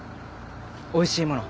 おいしいもの